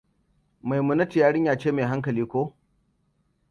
Maimunatu yarinya ne mai hankali, ko?